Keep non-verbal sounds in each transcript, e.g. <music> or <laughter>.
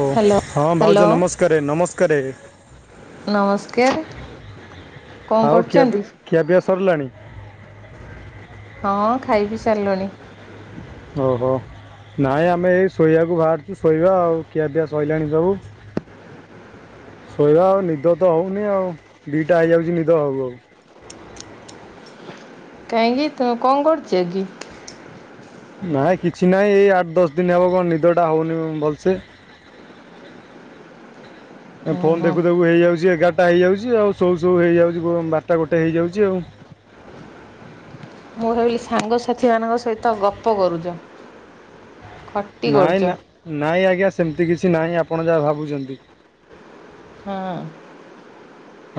ଓ hello ହଁ hello ଭାଉଜ ନମସ୍କାରେ ନମସ୍କାରେ ନମସ୍କାର। କଣ ଆଉ ଖିଆ କରୁଛନ୍ତି? ଖିଆପିଆ ସରିଲାଣି। ହଁ ଖାଇ ପିଇ ସାରିଲୁଣି। ଓହୋ ନାଇଁ ଆମେ ଏଇ ଶୋଇବାକୁ ବାହାରୁଛୁ ଶୋଇବା ଆଉ ଖିଆପିଆ ସଇଲାଣି ସବୁ। ଶୋଇବା ଆଉ ନିଦ ତ ହେଉନି ଆଉ ଦୁଇଟା ହେଇଯାଉଛି ନିଦ ହଉ ହଉ। କାହିଁକି ତୁମେ କଣ କରୁଛେ କି? ନାଇଁ କିଛି ନାହିଁ ଏଇ ଆଠ ଦଶ ଦିନ ହବ, କଣ ନିଦଟା ହଉନି ଭଲସେ। <inaudible> ଏ ଫୋନ୍ ଦେଖୁ ଦେଖୁ ହେଇଯାଉଛି ଏଗାରଟା ହେଇଯାଉଛି ଆଉ ସୋଉ ସୋଉ ହେଇଯାଉଛି ବାରଟା ଗୋଟେ ହେଇଯାଉଛି ଆଉ ମୁଁ ଭାବିଲି ସାଙ୍ଗସାଥିମାନଙ୍କ ସହିତ ଗପ କରୁଚ ଖଟ୍ ନାଇଁ ନା ନାଇଁ ଆଜ୍ଞା ସେମିତି କିଛି ନାହିଁ ଆପଣ ଯାହା ଭାବୁଛନ୍ତି। ହଁ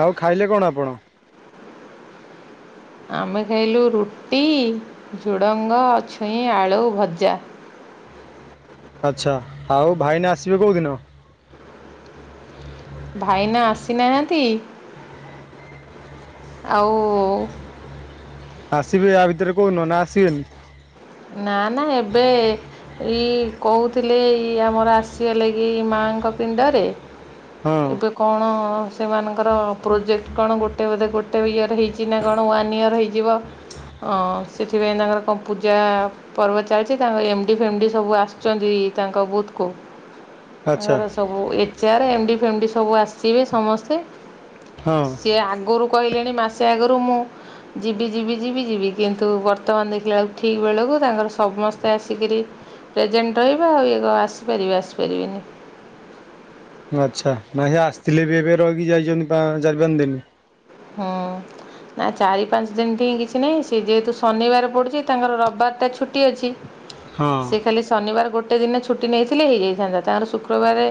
ଆଉ ଖାଇଲେ କଣ ଆପଣ? ଆମେ ଖାଇଲୁ ରୁଟି, ଝୁଡ଼ଙ୍ଗ ଛୁଇଁ ଆଳୁ ଭଜା। ଆଚ୍ଛା, ଆଉ ଭାଇନା ଆସିବେ କୋଉଦିନ? ଭାଇନା ଆସିନାହାନ୍ତି ଆଉ ଆସିବେ ଆ ଭିତରେ କଉ ଦିନ ନା ଆସିବେନି? ନା ନା ଏବେ ଏଇ କହୁଥିଲେ ଏଇ ଆମର ଆସିବା ଲାଗି ମାଆଙ୍କ ପିଣ୍ଡରେ ହଁ ଏବେ କଣ ସେମାନଙ୍କର ପ୍ରୋଜେକ୍ଟ କଣ ଗୋଟେ ବୋଧେ ଗୋଟେ ଇୟର୍ ହେଇଛି ନା କଣ ୱାନ୍ ଇୟର୍ ହେଇଯିବ। ଅଁ ସେଥିପାଇଁ ତାଙ୍କର କଣ ପୂଜା ପର୍ବ ଚାଲିଚି ତାଙ୍କ ଏମ ଡି ଫେମ ଡି ସବୁ ଆସିଛନ୍ତି ତାଙ୍କ ବୁଥକୁ ଆଚ୍ଛା ତାଙ୍କର ସବୁ ଏଚ୍ ଆର୍ ଏମ ଡି ଫେମ ଡି ସବୁ ଆସିବେ ସମସ୍ତେ ହଁ ସେ ଆଗରୁ କହିଲେଣି ମାସେ ଆଗରୁ ମୁଁ ଯିବି ଯିବି ଯିବି ଯିବି କିନ୍ତୁ ବର୍ତ୍ତମାନ ଦେଖିଲା ବେଳକୁ ଠିକ ବେଳକୁ ତାଙ୍କର ସମସ୍ତେ ଆସିକିରି ପ୍ରେଜେଣ୍ଟ ରହିବେ ଆଉ ଇଏ କଣ ଆସିପାରିବେ ଆସିପାରିବେନି। ଆଚ୍ଛା ନାଇଁ ସେ ଆସିଥିଲେ ବି ଏବେ ରହିକି ଯାଇଛନ୍ତି ପା ଚାରି ପାଞ୍ଚ ଦିନି। ହଁ ନା ଚାରି ପାଞ୍ଚ ଦିନଠେଇ କିଛି ନାହିଁ ସେ ଯେହେତୁ ଶନିବାର ପଡ଼ୁଛି ତାଙ୍କର ରବିବାର ଟା ଛୁଟି ଅଛି। ହଁ ସେ ଖାଲି ଶନିବାର ଗୋଟେ ଦିନ ଛୁଟି ନେଇଥିଲେ ହେଇଯାଇଥାନ୍ତା ତାଙ୍କର ଶୁକ୍ରବାରେ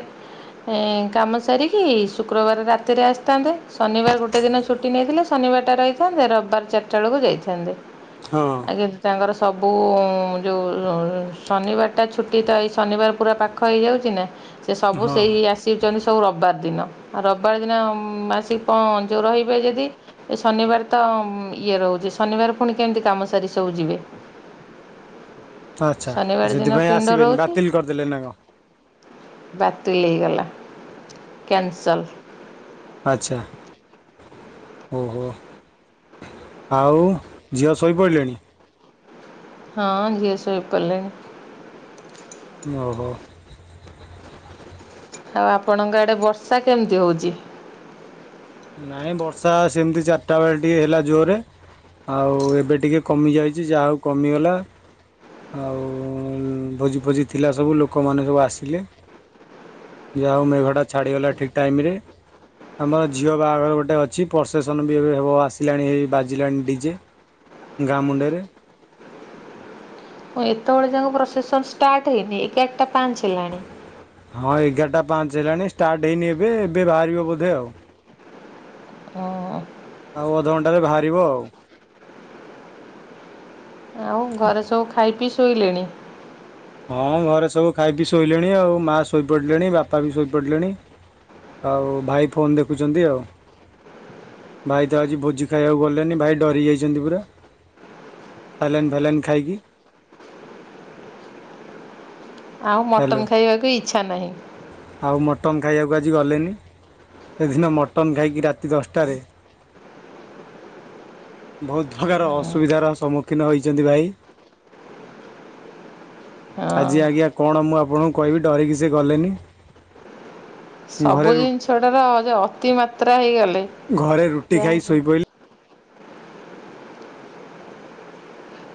ହୁଁ କାମ ସାରିକି ଶୁକ୍ରବାର ରାତିରେ ଆସିଥାନ୍ତେ ଶନିବାର ଗୋଟେ ଟେ ଦିନ ଛୁଟି ନେଇଥିଲେ ଶନିବାରଟା ରହିଥାନ୍ତେ ରବିବାର ଚାରିଟା ବେଳକୁ ଯାଇଥାନ୍ତେ। ହଁ ଆଗେ ତାଙ୍କର ସବୁ ଯୋଉ ଶନିବାରଟା ଛୁଟି ତ ଏଇ ଶନିବାର ପୁରା ପାଖ ଖ ହେଇଯାଉଛି ନା। ସେ ସବୁ ହଁ ସେଇ ଆସିଛନ୍ତି ସବୁ ରବିବାର ଦିନ ରବିବାର ଦିନ ଆସିକି ପହ ତ ରହିବେ ଯଦି ଏ ଶନିବାର ତ ମ ଇଏ ରହୁଛି ଶନିବାର ପୁଣି କେମିତି କାମ ସାରି ସବୁ ଯିବେ। ଆଚ୍ଛା ଆ ଶନିବାର ଦିନ ସେଥିପାଇଁ ପିଣ୍ଡ ଆସିବେନି ରହୁଛି ବାତିଲ କରିଦେଲେ ନା କଣ? ବାତିଲ ହେଇଗଲା କ୍ୟାନସଲ୍। ଆଚ୍ଛା ଓହୋ ଆଉ ଝିଅ ଶୋଇପଇଲେଣି? ହଁ ଝିଅ ଶୋଇପଇଲେଣି। ଓହୋ! ଆଉ ଆପଣଙ୍କ ଆଡ଼େ ବର୍ଷା କେମିତି ହଉଛି? ନାଇଁ ବର୍ଷା ସେମିତି ଚାରିଟା ବେଳେ ଟିକେ ହେଲା ଜୋରେ ଆଉ ଏବେ ଟିକେ କମି ଯାଇଛି ଯାହା ହଉ କମିଗଲା। ଆଉ ଭୋଜି ଫୋଜି ଥିଲା ସବୁ ଲୋକମାନେ ସବୁ ଆସିଲେ। ଯାହା ହଉ ମେଘଟା ଛାଡ଼ିଗଲା ଠିକ୍ ଟାଇମ୍ ରେ। ଆମର ଝିଅ ବାହାଘର ଗୋଟେ ଅଛି ପ୍ରସେସନ ବି ଏବେ ହେବ ଆସିଲାଣି ହେଇ ବାଜିଲାଣି ଡିଜେ ଗାଁ ମୁଣ୍ଡେରେ କଣ ଏତେବେଳେ ଯାକ ପ୍ରୋସେସନ୍ ଷ୍ଟାର୍ଟ ହେଇନି ଏଗାରଟା ପାଞ୍ଚ ହେଲାଣି। ହଁ ଏଗାରଟା ପାଞ୍ଚ ହେଲାଣି ଷ୍ଟାର୍ଟ ହେଇନି ଏବେ ଏବେ ବାହାରିବ ବୋଧେ ଆଉ ଓ ଆଉ ଅଧଘଣ୍ଟାରେ ବାହାରିବ ଆଉ ଆଉ ଘରେ ସବୁ ଖାଇପି ଶୋଇଲେଣି। ହଁ। ଘରେ ସବୁ ଖାଇପି ଶୋଇଲେଣି ଆଉ ମାଆ ଶୋଇପଡ଼ିଲେଣି ବାପା ବି ଶୋଇପଡ଼ିଲେଣି। ଆଉ ଭାଇ ଫୋନ୍ ଦେଖୁଛନ୍ତି ଆଉ। ଭାଇ ତ ଆଜି ଭୋଜି ଖାଇବାକୁ ଗଲେନି ଭାଇ ଡ଼ରି ଯାଇଛନ୍ତି ପୁରା। ସାଲେନ୍ ଫା ଲେନ୍ ଖାଇକି। ଆଉ ହ୍ୟାଲୋ ମଟନ୍ ଖାଇବାକୁ ଇଚ୍ଛା ନାହିଁ। ଆଉ ମଟନ୍ ଖାଇବାକୁ ଆଜି ଗଲେନି। ସେଦିନ ମଟନ୍ ଖାଇକି। ରାତି ଦଶଟାରେ <inaudible> ବହୁତ୍ ପ୍ରକାର ଅସୁବିଧାର ସମ୍ମୁଖୀନ ହୋଇଛନ୍ତି ଭାଇ। ହଁ। ଆଜି ଆଜ୍ଞା କଣ ମୁଁ ଆପଣଙ୍କୁ କହିବି ଡରିକି ସେ ଗଲେନି। ଘରେ ସବୁ ଜିନିଷ ଟାର ଅ-ଅତି ମାତ୍ରା ହେଇଗଲା। ଘରେ ରୁଟି ଖାଇ ଶୋଇପଇଲୁ।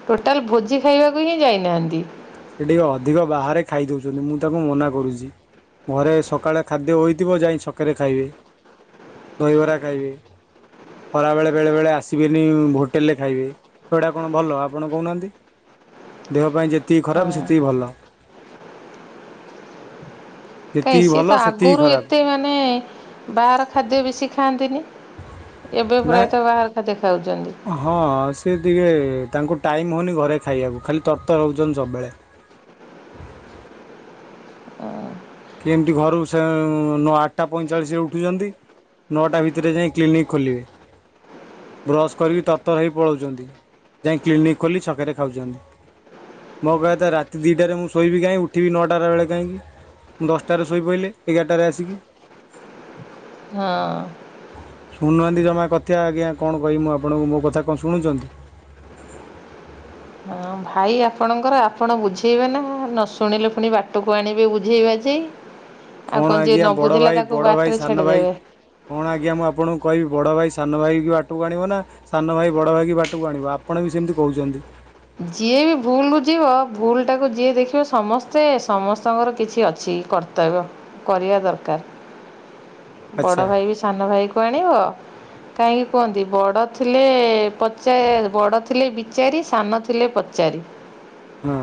ଟୋଟାଲ୍ ଭୋଜି ଖାଇବାକୁ ହିଁ ଯାଇନାହାନ୍ତି। ସେ ଟିକେ ଅଧିକ ବାହାରେ ଖାଇ ଦୋଉଛନ୍ତି। ମୁଁ ତାଙ୍କୁ ମନା କରୁଛି। ଘରେ ସକାଳେ ଖାଦ୍ୟ ହୋଇଥିବ ଯାଇ ଛକରେ ଖାଇବେ। ଦହିବରା ଖାଇବେ। ଖରାବେଳେ ବେଳେ ବେଳେ ଆସିବେନି ହୋଟେଲରେ ଖାଇବେ। ତ ଏଟା କଣ ଭଲ ଆପଣ କହୁନାହାନ୍ତି? ଦେହ ପାଇଁ ଯେତିକି ଖରାପ୍ ସେତିକି ଭଲ। କାଇଁ ଯେତିକି ସିଏ ଭଲ ତ ସେତିକି ଆଗରୁ ଖରାପ ଏତେ ମାନେ ବାହାର ଖାଦ୍ୟ ବେଶି ଖାଆନ୍ତିନି। ଏବେ ନା ପ୍ରାୟତଃ ବାହାର ଖାଦ୍ୟ ଖାଉଛନ୍ତି। ହଁ। ସିଏ ଟିକେ ତାଙ୍କୁ ଟାଇମ୍ ହୋଉନି ଘରେ ଖାଇବାକୁ। ଖାଲି ତର୍ ତର୍ ହୋଉଛନ୍ତି ସବୁବେଳେ। ହ। କେମିତି ଘରୁ ସେ ନ ଆଟ୍ ଟା ପଇଁଚାଳିଶ୍ ରେ ଉଠୁଛନ୍ତି। ନଅଟା ଭିତରେ ଯାଇଁ କ୍ଲିନିକ୍ ଖୋଲିବେ। ବ୍ରସ୍ କରିକି ତର୍ ତର୍ ହେଇ ପଳୋଉଛନ୍ତି। ଯାଇ କ୍ଲିନିକ୍ ଖୋଲି ଛକରେ ଖାଉଛନ୍ତି। ମୋ କହିବା କଥା ରାତି ଦିଟାରେ ମୁଁ ଶୋଇବି କାଇଁ ଉଠିବି ନଅଟା ରେ ବେଳେ କାଇଁ। ମୁଁ ଦଶଟାରେ ଶୋଇପଡ଼ିଲି ଏଗାରଟାରେ ଆସିକି। ହଁ। ଶୁଣୁନାହାନ୍ତି ଜମା କଥ୍ୟ ଆଜ୍ଞା। କଣ କହିବି ମୁଁ ଆପଣଙ୍କୁ ମୋ କଥା କଣ ଶୁଣୁଛନ୍ତି। ହଁ। ଭାଇ ଆପଣଙ୍କର ଆପଣ ବୁଝେଇବେ ନା। ନ ଶୁଣିଲେ ପୁଣି ବାଟକୁ ଆଣିବେ ବୁଝେଇ ବାଝଇ। ଆଉ କଣ ଯିଏ ଆଜ୍ଞା ନ ବଡ଼ ବୁଝିଲା ଭାଇ ତାକୁ ବଡ଼ ଭାଇ ବାଟ ରେ ସାନ ଭାଇ ଛାଡିଦେବେ। କଣ ଆଜ୍ଞା। ମୁଁ ଆପଣଙ୍କୁ କହିବି ବଡ଼ ଭାଇ ସାନ ଭାଇ ବାଟକୁ ଆଣିବ ନା ସାନ ଭାଇ ବଡ଼ ଭାଇ କି ବାଟକୁ ଆଣିବା। ଆପଣ ବି ସେମିତି କହୁଛନ୍ତି। ଯିଏ ବି ଭୁଲ୍ ଲୁଚେଇବ ଭୁଲ୍ ଟାକୁ ଯିଏ ଦେଖିବ ସମସ୍ତେ ସମସ୍ତଙ୍କର କିଛି ଅଛି କର ର୍ତ୍ତବ୍ୟ କରିବା ଦରକାର୍। ଆଚ୍ଛା ବଡ଼ ଭାଇ ବି ସାନ ଭାଇ କି ଆଣିବ କାହିଁକି କୁହନ୍ତି? ବଡ଼ ଥିଲେ ପଛେ ବଡ଼ ଥିଲେ ବିଚାରି ସାନ ଥିଲେ ପଚାରି। ହଁ।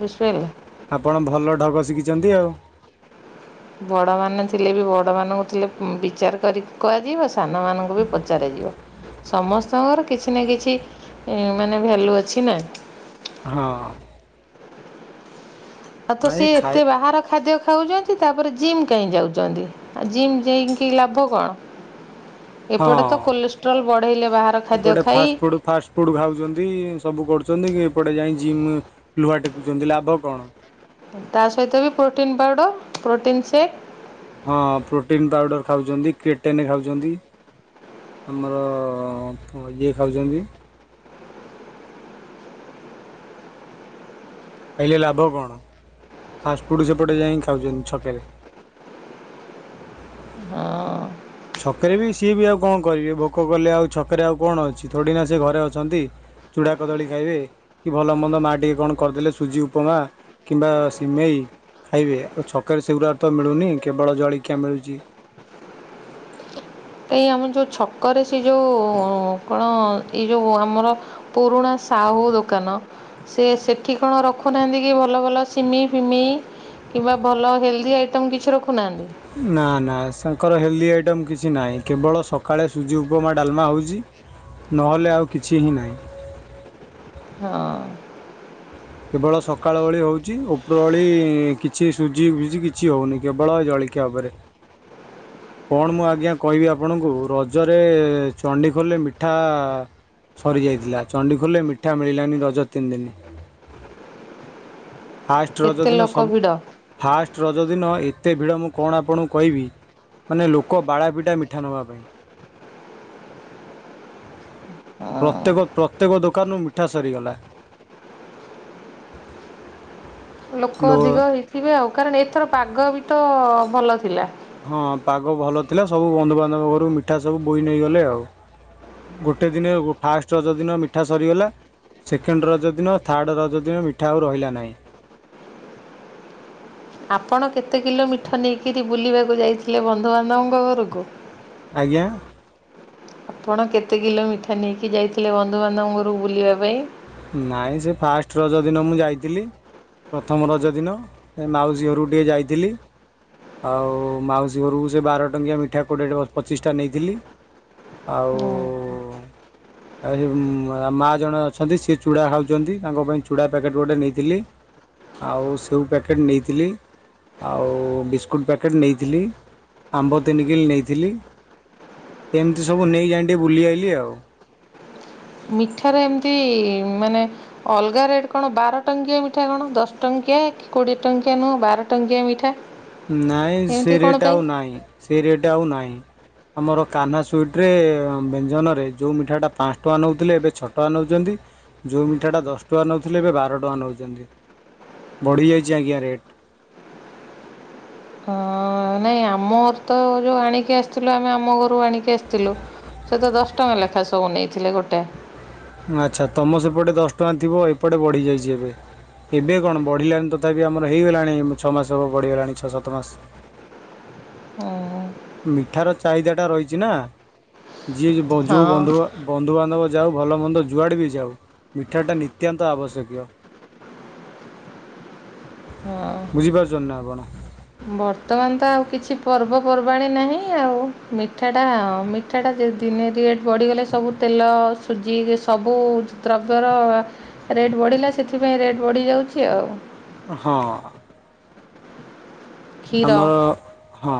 ବୁଝିପାରିଲେ ଆପଣ ଭଲ ଢଙ୍ଗ ଶିଖିଛନ୍ତି ଆଉ। ବଡ଼ ମାନେ ଥିଲେ ବି ବଡ଼ମାନଙ୍କୁ ଥିଲେ ବିଚାର କରି କୁହାଯିବ ସାନମାନଙ୍କୁ ବି ପଚାରାଯିବ। ସମସ୍ତଙ୍କର କିଛି ନା କିଛି ଇ ମାନେ ଭେଲ୍ୟୁ ଅଛି ନା। ହଁ। ଆଉ ତ ନାଇଁ ସିଏ ଖାଇ ଏତେ ବାହାର ଖାଦ୍ୟ ଖାଉଛନ୍ତି ତାପରେ ଜିମ୍ କାହିଁ ଯାଉଛନ୍ତି ଆଉ ଜିମ୍ ଯାଇକି ଲାଭ କଣ? ହଁ ଏପଟେ ତ କୋଲେଷ୍ଟ୍ରୋଲ ବଢେଇଲେ ବାହାର ଖାଦ୍ୟ ଖାଇ ଫୁଡ୍ ଖାଉଛନ୍ତି ସବୁ କରୁଛନ୍ତି ଏପଟେ ଯାଇକି ଜିମ୍ ଲୁହା ଟେକୁଛନ୍ତି ଲାଭ କଣ? ତା ସହିତ ବି ପ୍ରୋଟିନ୍ ପାଉଡ଼ର ପ୍ରୋଟିନ୍ ସେକ୍ ହଁ। ପ୍ରୋଟିନ୍ ପାଉଡ଼ର ଖାଉଛନ୍ତି କେଟେନ୍ ଖାଉଛନ୍ତି। ଆମର ଇଏ ଖାଉଛନ୍ତି। ଖାଇଲେ ଲାଭ କଣ? ଫାଷ୍ଟଫୁଡ଼ ସେପଟେ ଯାଇକି ଖାଉଛନ୍ତି ଛକରେ। ହଁ। ଛକରେ ବି ସିଏ ବି ଆଉ କଣ କରିବେ ଭୋକ କଲେ ଆଉ ଛକରେ ଆଉ କଣ ଅଛି ଥୋଡି ନା ସେ ଘରେ ଅଛନ୍ତି। ଚୂଡ଼ା କଦଳୀ ଖାଇବେ କି ଭଲ ମନ୍ଦ ମା ଟିକେ କଣ କରିଦେଲେ ସୁଜି ଉପମା କିମ୍ବା ସିମେଇ ଖାଇବେ ଆଉ ଛକରେ ସେଗୁତା ତ ମିଳୁନି କେବଳ ଜଳିଖିଆ ମିଳୁଛି। ଏଇ ଆମ ଯୋଉ ଛକରେ ସେ ଯୋଉ କଣ ଏଇ ଯୋଉ ଆମର ପୁରୁଣା ସାହୁ ଦୋକାନ ସେ ସେଠି କଣ ରଖୁନାହାନ୍ତି କି ଭଲ ଭଲ ସିମେଇ ଫିମେଇ କିମ୍ବା ଭଲ ହିଲ୍ଥୀ ଆଇଟମ କିଛି ରଖୁନାହାନ୍ତି? ନା ନା ତାଙ୍କର ହେଲ୍ଦି ଆଇଟମ୍ କିଛି ନାହିଁ କେବଳ ସକାଳେ ସୁଜି ଉପମା ଡାଲମା ହେଉଛି। ନହେଲେ ଆଉ କିଛି ହିଁ ନାହିଁ। ହଁ। କେବଳ ସକାଳ ଓଳି ହେଉଛି ଉପର ଓଳି କିଛି ସୁଝି ଫୁଜି କିଛି ହେଉନି କେବଳ ଜଳି ଖିଆ ଉପରେ। କଣ ମୁଁ ଆଜ୍ଞା କହିବି ଆପଣଙ୍କୁ ରଜରେ ଚଣ୍ଡିଖୋଲରେ ମିଠା ସରିଯାଇଥିଲା ଚଣ୍ଡିଖୋଲରେ ମିଠା ମିଳିଲାନି ରଜ ତିନି ଦିନ। ଫାଷ୍ଟ ରଜ ଏତେ ଦିନ ଲୋକ ସବୁ ଭିଡ଼ ଫାଷ୍ଟ ରଜ ଦିନ ଏତେ ଭିଡ଼ ମୁଁ କଣ ଆପଣଙ୍କୁ କହିବି। ମାନେ ଲୋକ ବାଳାପିଟା ମିଠା ନେବା ପାଇଁ। ହଁ ପ୍ରତ୍ୟେକ-ପ୍ରତ୍ୟେକ ଦୋକାନରୁ ମିଠା ସରିଗଲା। ଲୋକ ଲୋ ଅଧିକ ହେଇଥିବେ ଆଉ କାରଣ ଏଥର ପାଗ ବି ତ ଭଲ ଥିଲା। ହଁ ପାଗ ଭଲ ଥିଲା ସବୁ ବନ୍ଧୁବାନ୍ଧବ ଘରୁ ମିଠା ସବୁ ବୋଇ ନେଇଗଲେ ଆଉ। ଗୋଟେ ଦିନେ ଫାଷ୍ଟ ରଜଦିନ ମିଠା ସରିଗଲା। ସେକେଣ୍ଡ ରଜ ଦିନ ଥାର୍ଡ଼ ରଜ ଦିନ ମିଠା ଆଉ ରହିଲା ନାହିଁ। ଆପଣ କେତେ କିଲୋ ମିଠା ନେଇକିରି ବୁଲିବାକୁ ଯାଇଥିଲେ ବନ୍ଧୁବାନ୍ଧବଙ୍କ ଘରକୁ? ଆଜ୍ଞା। ଆପଣ କେତେ କିଲୋ ମିଠା ନେଇକି ଯାଇଥିଲେ ବନ୍ଧୁବାନ୍ଧବଙ୍କ ଘରକୁ ବୁଲିବା ପାଇଁ? ନହିଁ ସେ ଫାଷ୍ଟ ରଜ ଦିନ ମୁଁ ଯାଇଥିଲି ପ୍ରଥମ ରଜ ଦିନ ଏ ମାଉସୀ ଘରକୁ ଟିକେ ଯାଇଥିଲି। ଆଉ ମାଉସୀ ଘରକୁ ସେ ବାର ଟଙ୍କିଆ ମିଠା କୋଡ଼ିଏ ପଚିଶଟା ନେଇଥିଲି। ଆଉ ହୁଁ ଏ ମା ଜଣେ ଅଛ ଅଛନ୍ତି ସିଏ ଚୁଡ଼ା ଖାଉଛନ୍ତି ତାଙ୍କ ପାଇଁ ଚୁଡ଼ା ପ୍ୟାକେଟ୍ ଗୋଟେ ନେଇଥିଲି। ଆଉ ସେଉ ପ୍ୟାକେଟ୍ ନେଇଥିଲି। ଆଉ ବିସ୍କୁଟ୍ ପ୍ୟାକେଟ୍ ନେଇଥିଲି ଆମ୍ବ ତିନି କିଲ୍ ନେଇଥିଲି। ଏମିତି ସବୁ ନେଇଯାଇ ଟିକେ ବୁଲି ଆଇଲି ଆଉ। ମିଠାରେ ଏମିତି ମାନେ ଅଲଗା ରେଟ୍ କଣ ବାର ଟଙ୍କିଆ ମିଠା କଣ ଦଶ ଟଙ୍କିଆ କି କୋଡ଼ିଏ ଟଙ୍କିଆ ନୁହଁ ବାର ଟଙ୍କିଆ ମିଠା। ନାଇଁ ସେ ଏମିତି କଣ ରେଟ ପାଇଁ? ଆଉ ନାଇଁ ସେ ରେଟ ଆଉ ନାହିଁ। ଆମର କାହ୍ନା ସୁଇଟରେ ବ୍ୟଞ୍ଜନରେ ଯେଉଁ ମିଠାଟା ପାଞ୍ଚ ଟଙ୍କା ନେଉଥିଲେ ଏବେ ଛଅ ଟଙ୍କା ନେଉଛନ୍ତି। ଯେଉଁ ମିଠାଟା ଦଶ ଟଙ୍କା ନେଉଥିଲେ ଏବେ ବାର ଟଙ୍କା ନେଉଛନ୍ତି ବଢ଼ିଯାଇଛି ଆଜ୍ଞା ରେଟ୍।। ହଁ ଅ ନାଇଁ ଆମ ଘର ତ ଯୋଉ ଆଣିକି ଆସିଥିଲୁ ଆମେ ଆମ ଘରୁ ଆଣିକି ଆସିଥିଲୁ। ସେ ତ ଦଶ ଟଙ୍କା ଲେଖା ସବୁ ନେଇଥିଲେ ଗୋଟେ। ଆଚ୍ଛା ତମ ସେପଟେ ଦଶ ଟଙ୍କା ଥିବ ଏପଟେ ବଢ଼ିଯାଇଛି ଏବେ। ଏବେ କଣ ବଢ଼ିଲାଣି ତଥାପି ଆମର ହେଇଗଲାଣି ଛଅ ମାସ ହେବ ବଢ଼ିଗଲାଣି ଛଅ ସାତ ମାସ। ମିଠାର ଚାହିଦାଟା ରହିଛି ନା ଯିଏ ଯ ଯୋଉ ହଁ। ବନ୍ଧୁଘ ବନ୍ଧୁବାନ୍ଧବ ଯାଉ ଭଲ ମନ୍ଦ ଯୁଆଡ଼େ ବି ଯାଉ ମିଠାଟା ନିତ୍ୟାନ୍ତ ଆବଶ୍ୟକୀୟ। <inaudible> ହଁ। ବୁଝିପାରୁଛନ୍ତି ନା ଆପଣ? ବର୍ତ୍ତମାନ ତ ଆଉ କିଛି ପର୍ବପର୍ବାଣୀ ନାହିଁ ଆଉ ମିଠାଟା ଅ ମି ଠାଟା ଦିନେ ରେଟ୍ ବଢ଼ିଗଲେ ସବୁ ତେଲ ସୁଜି ସବୁ ଦ୍ରବ୍ୟର ରେଟ୍ ବଢ଼ିଲା ସେଥିପାଇଁ ରେଟ୍ ବଢ଼ିଯାଉଛି ଆଉ। ହଁ କ୍ଷୀର ଆମର ହଁ।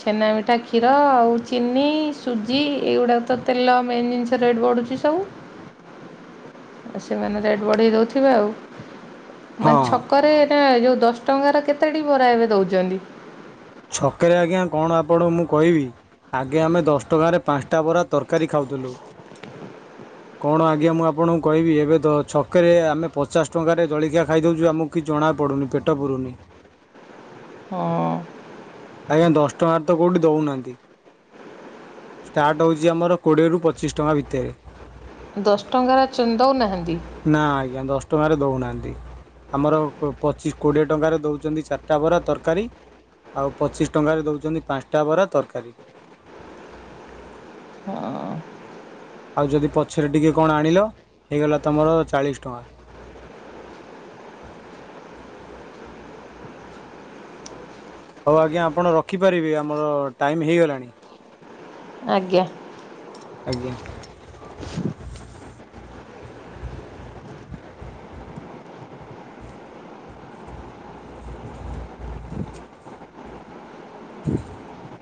ଛେନା ମିଠା କ୍ଷୀର ଆଉ ଚିନି ସୁଜି ଏଇଗୁଡ଼ାକ ତ ତେଲ ମେନ୍ ଜିନିଷ ରେଟ୍ ବଢୁଛି। ସେସବୁ ତ ସେମାନେ ରେଟ୍ ବଢ଼େଇଦେଉଥିବେ ଆଉ। ମାନେ ହଁ ଛକରେ ଏଟା ଯୋଉ ଦଶ ଟଙ୍କାର କେତେଟି ବରା ଏବେ ଦଉଛନ୍ତି? ଛକରେ ଆଜ୍ଞା କଣ ଆପଣ ମୁଁ କହିବି। ଆଗେ ଆମେ ଦଶ ଟଙ୍କାରେ ପାଞ୍ଚଟା ବରା ତରକାରୀ ଖାଉଥିଲୁ। <inaudible> କଣ ଆଜ୍ଞା ମୁଁ ଆପଣଙ୍କୁ କହିବି ଏବେ ତ ଛକେରେ ଆମେ ପଚାଶ ଟଙ୍କାରେ ଜଳଖିଆ ଖାଇଦେଉଛୁ ଆମକୁ କିଛି ଜଣାପଡ଼ୁନି ପେଟ ପୁରୁୁନି। ହଁ। ଆଜ୍ଞା ଦଶ ଟଙ୍କାରେ ତ କୋଉଠି ଦଉନାହାନ୍ତି। ଷ୍ଟାର୍ଟ ହଉଛି ଆମର କୋଡ଼ିଏରୁ ପଚିସି ଟଙ୍କା ଭିତରେ। ଦଶ ଟଙ୍କାର ଚ ଦଉନାହାନ୍ତି? ନା ଆଜ୍ଞା ଦଶ ଟଙ୍କାରେ ଦଉନାହାନ୍ତି। ଆମର କ - ପଚିଶ କୋଡ଼ିଏ ଟଙ୍କାରେ ଦେଉଛନ୍ତି ଚାରିଟା ବରା ତରକାରୀ। ଆଉ ପଚିଶ ଟଙ୍କାରେ ଦେଉଛନ୍ତି ପାଞ୍ଚଟା ବରା ତରକାରୀ। ହଁ। ଆଉ ଯଦି ପଛରେ ଟିକିଏ କଣ ଆଣିଲ ହେଇଗଲା ତମର ଚାଳିଶ ଟଙ୍କା। ହଉ ଆଜ୍ଞା ଆପଣ ରଖିପାରିବେ ଆମର ଟାଇମ୍ ହେଇଗଲାଣି। ଆଜ୍ଞା। ଆଜ୍ଞା। <inaudible>